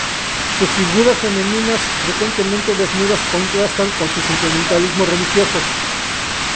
Sus figuras femeninas frecuentemente desnudas contrastan con su sentimentalismo religioso.